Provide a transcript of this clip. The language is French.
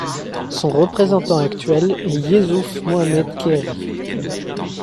Son représentant actuel est Yesuf Mohammed Keyri.